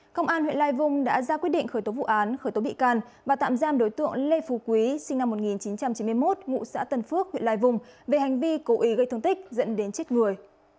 công an huyện lai vung đã ra quyết định khởi tố vụ án khởi tố bị can và tạm giam đối tượng lê phú quý sinh năm một nghìn chín trăm chín mươi một ngụ xã tân phước huyện lai vung về hành vi cố ý gây thương tích dẫn đến chết người